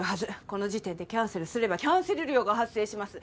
この時点でキャンセルすればキャンセル料が発生します。